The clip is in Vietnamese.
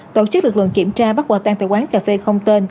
tổ chức lực lượng kiểm tra bắt quả tan tại quán cà phê không tên